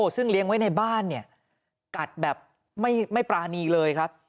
ซึ่งเลี้ยงไว้ในบ้านเนี่ยกัดแบบไม่ปรานีเลยครับ